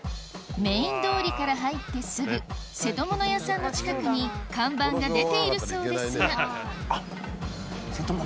メイン通りから入ってすぐ瀬戸物屋さんの近くに看板が出ているそうですがあっ。